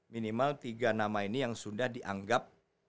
minimal tiga nama ini yang sudah dianggap